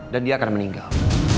dan dia akan meninggal